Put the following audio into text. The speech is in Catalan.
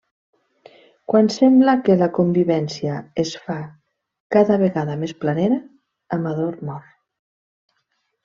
Quan sembla que la convivència es fa cada vegada més planera, Amador mor.